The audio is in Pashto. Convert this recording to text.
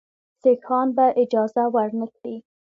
سیکهان به اجازه ورنه کړي.